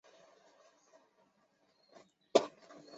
他年轻时在圣罗伦兹两人学习作曲和乐器演奏的技巧。